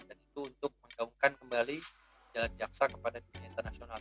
dan itu untuk menggaungkan kembali jalan jaksa kepada dunia